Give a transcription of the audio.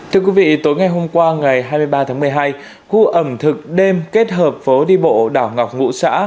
thưa quý vị tối ngày hôm qua khu ẩm thực đêm kết hợp phố đi bộ đảo ngọc ngũ xã